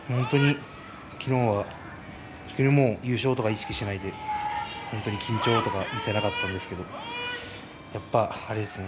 昨日は優勝とか意識しないで緊張とか一切なかったんですけどやっぱりあれですね